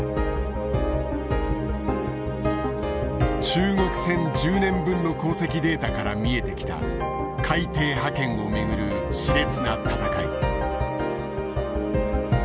中国船１０年分の航跡データから見えてきた海底覇権をめぐるしれつな闘い。